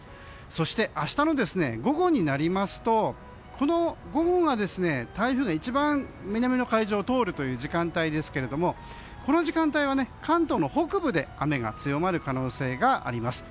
そして、明日の午後になりますと午後が台風が一番南の海上を通る時間帯ですけどこの時間帯は、関東の北部で雨が強まる可能性があります。